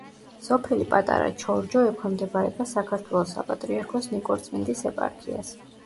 სოფელი პატარა ჩორჯო ექვემდებარება საქართველოს საპატრიარქოს ნიკორწმინდის ეპარქიას.